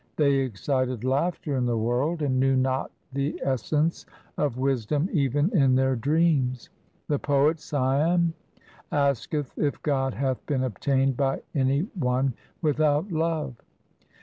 They excited laughter in the world, and knew not the essence of wisdom even in their dreams. The poet Siam asketh if God hath been obtained by any one without love.